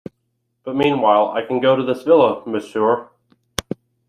But meanwhile I can go from this villa, monsieur?